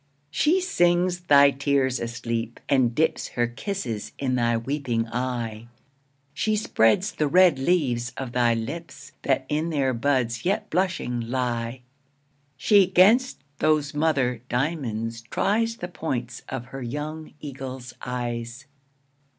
She sings thy tears asleep, and dips Her kisses in thy weeping eye, She spreads the red leaves of thy lips, That in their buds yet blushing lie. She 'gainst those mother diamonds tries The points of her young eagle's eyes.